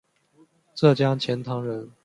浙江钱塘人。